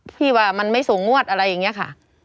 พี่ว่ามันไม่ส่งงวดอะไรอย่างนี้ค่ะ